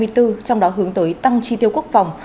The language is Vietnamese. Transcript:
trong đó hướng tới tăng chi tiêu quốc phòng